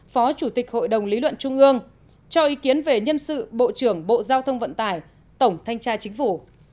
phó chủ tịch hội đồng lý luận trung ương cho ý kiến về nhân sự bộ trưởng bộ giao thông vận tải tổng thanh tra chính phủ